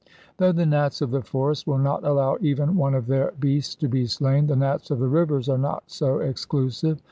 Though the Nats of the forest will not allow even one of their beasts to be slain, the Nats of the rivers are not so exclusive.